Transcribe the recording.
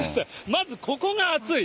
まずここが熱い。